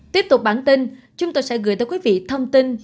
tiếp tục bản tin chúng tôi sẽ gửi tới quý vị thông tin